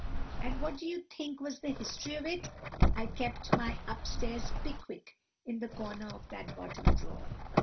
And what do you think was the history of it? I kept my up stairs Pickwick in the corner of that bottom drawer.